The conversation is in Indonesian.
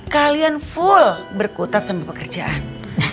kalian full berkutat sama pekerjaan